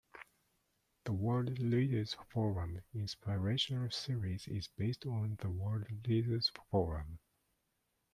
The World Leaders Forum Inspirational Series is based on the World Leaders Forum.